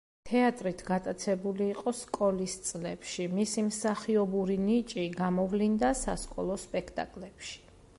თეატრით გატაცებული იყო სკოლის წლებში, მისი მსახიობური ნიჭი გამოვლინდა სასკოლო სპექტაკლებში.